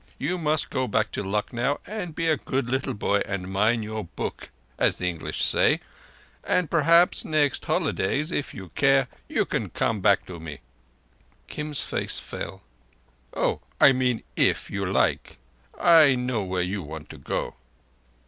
You must go back to Lucknow and be a good little boy and mind your book, as the English say, and perhaps, next holidays if you care, you can come back to me!" Kim's face fell. "Oh, I mean if you like. I know where you want to go."